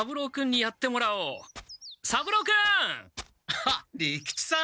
あっ利吉さん！